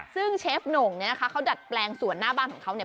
ซึ่งเชฟหน่งเนี่ยนะคะเขาดัดแปลงส่วนหน้าบ้านของเขาเนี่ย